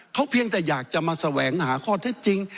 เขาเพียงแต่อยากจะมาแสวงหาข้อเท็จจริง